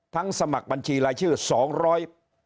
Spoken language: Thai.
ทั้งสมัครบัญชีรายชื่อ๒๐๐บาท